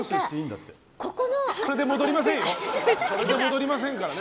それで戻りませんからね。